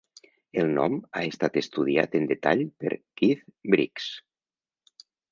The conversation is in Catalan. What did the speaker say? El nom ha estat estudiat en detall per Keith Briggs.